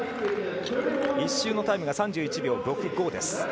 １周のタイムが３１秒６５です。